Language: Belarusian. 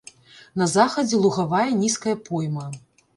На захадзе лугавая нізкая пойма.